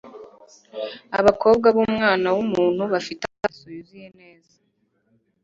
Abakobwa b'Umwana w'umuntu bafite amaso yuzuye neza